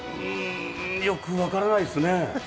うーん、よく分からないですね。